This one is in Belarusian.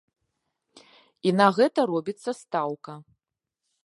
І на гэта робіцца стаўка.